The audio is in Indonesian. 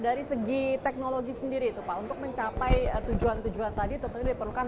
dari segi teknologi sendiri itu pak untuk mencapai tujuan tujuan tadi tentunya diperlukan